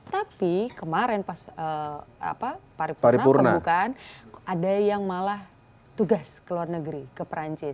tapi kemarin pas paripurna pembukaan ada yang malah tugas ke luar negeri ke perancis